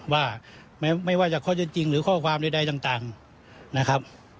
ว่าไม่ว่าจะข้อเท็จจริงหรือข้อความใดต่างนะครับ